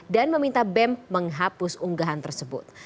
dan meminta bem menghapus unggahan tersebut